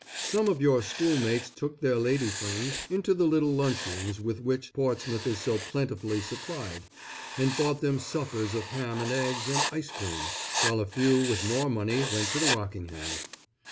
Some of your schoolmates took their lady friends into the little lunch rooms with which Portsmouth is so plentifully supplied, and bought them suppers of ham and eggs, and ice cream, while a few with more money went to the Rockingham.